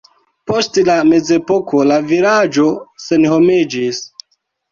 Post la mezepoko la vilaĝo senhomiĝis.